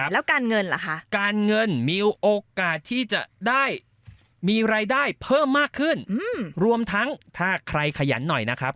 แล้วการเงินเหรอคะการเงินมีโอกาสที่จะได้มีรายได้เพิ่มมากขึ้นรวมทั้งถ้าใครขยันหน่อยนะครับ